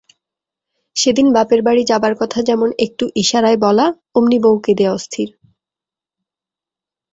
সেদিন বাপের বাড়ি যাবার কথা যেমন একটু ইশারায় বলা অমনি বউ কেঁদে অস্থির।